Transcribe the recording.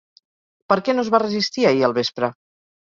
Per què no es va resistir ahir al vespre?